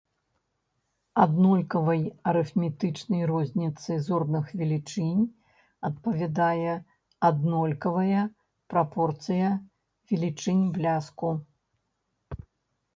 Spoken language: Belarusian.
Аднолькавай арыфметычнай розніцы зорных велічынь адпавядае аднолькавае прапорцыя велічынь бляску.